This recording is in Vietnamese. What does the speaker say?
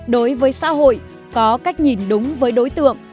đối với xã hội có cách nhìn đúng với đối tượng